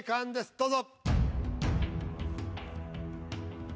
どうぞ。